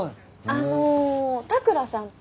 あの田倉さんって。